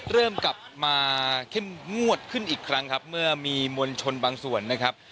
เริ่มกลับมาเข้มงวดขึ้นอีกครั้งครับเมื่อมีมวลชนบางส่วนนะครับ